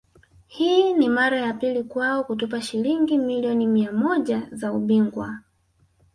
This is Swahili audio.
Hii ni mara ya pili kwao kutupa Shilingi milioni mia moja za ubingwa